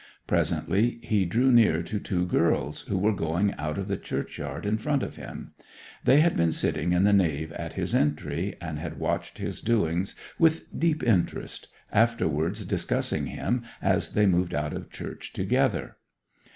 Presently he drew near to two girls who were going out of the churchyard in front of him; they had been sitting in the nave at his entry, and had watched his doings with deep interest, afterwards discussing him as they moved out of church together.